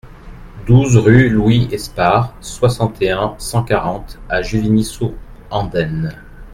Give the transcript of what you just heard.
douze rue Louis Esparre, soixante et un, cent quarante à Juvigny-sous-Andaine